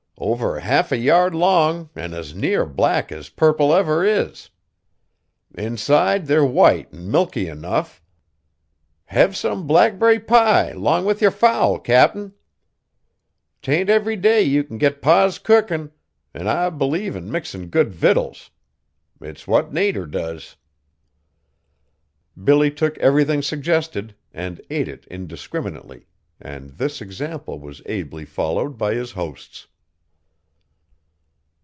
Over half a yard long an' as near black as purple ever is. Inside they're white an' milky enough. Have some blackberry pie, 'long with yer fowl, Cap'n. 'T ain't every day you can get Pa's cookin'; an' I bleve in mixin' good victuals. It's what Nater does." Billy took everything suggested and ate it indiscriminately, and this example was ably followed by his hosts.